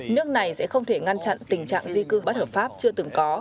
nước này sẽ không thể ngăn chặn tình trạng di cư bất hợp pháp chưa từng có